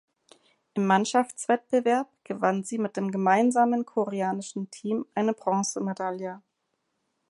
Im Mannschaftswettbewerb gewann sie mit dem gemeinsamen koreanischen Team eine Bronzemedaille.